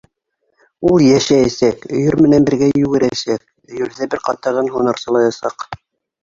Ул йәшәйәсәк, өйөр менән бергә йүгерәсәк, өйөрҙә бер ҡатарҙан һунарсылаясаҡ.